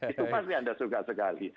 itu pasti anda suka sekali